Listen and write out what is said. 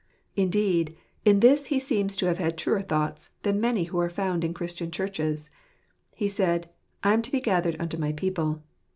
Indeed, in this he seems to have had truer thoughts than many who are found in Christian churches. He said, " I am to be gathered unto my people."